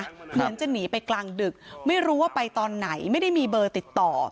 เหมือนจะหนีไปกลางดึกไม่รู้ว่าไปตอนไหนไม่ได้มีเบอร์ติดต่อ